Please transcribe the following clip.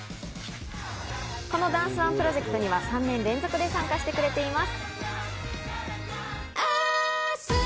このダンスＯＮＥプロジェクトには３年連続で参加してくれています。